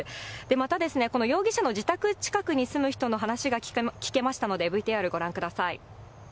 また、この容疑者の自宅近くに住む人の話が聞けましたので、ＶＴＲご覧ください。